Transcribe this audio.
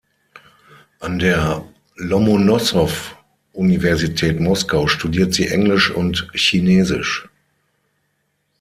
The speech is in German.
An der Lomonossow-Universität Moskau studiert sie Englisch und Chinesisch.